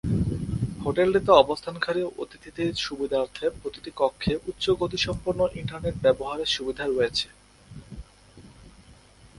হোটেলটিতে অবস্থানকারী অতিথিদের সুবিধার্থে প্রতিটি কক্ষে উচ্চ গতিসম্পন্ন ইন্টারনেট ব্যবহারের সুবিধা রয়েছে।